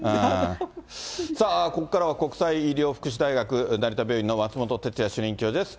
さあ、ここからは国際医療福祉大学成田病院の松本哲哉主任教授です。